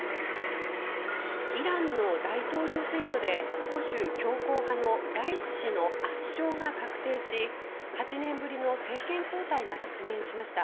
イランの大統領選挙で保守強硬派のライシ師の圧勝が確定し８年ぶりの政権交代が実現しました。